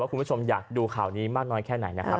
คุณผู้ชมอยากดูข่าวนี้มากน้อยแค่ไหนนะครับ